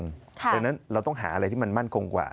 ดังนั้นเราต้องหาอะไรที่มันมั่นคงกว่า